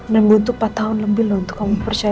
membutuhkan empat tahun lebih untuk kamu persis